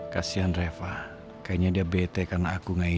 kasian reva kayaknya dia bete karena aku ngayu